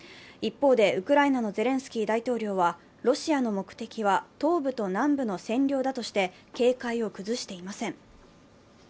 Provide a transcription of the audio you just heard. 一方で、ウクライナのゼレンスキー大統領は、ロシアの目的は東部と南部の占領だとして警戒を崩していません。